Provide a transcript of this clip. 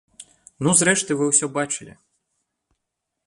Ну зрэшты вы ўсё бачылі.